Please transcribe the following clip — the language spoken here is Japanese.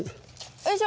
よいしょ！